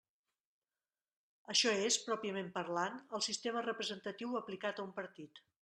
Això és, pròpiament parlant, el sistema representatiu aplicat a un partit.